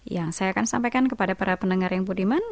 yang saya akan sampaikan kepada para pendengar yang budiman